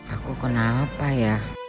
aku kenapa ya